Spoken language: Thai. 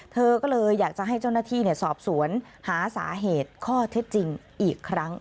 เธอก็เลยอยากจะให้เจ้าหน้าที่สอบสวนหาสาเหตุข้อเท็จจริงอีกครั้ง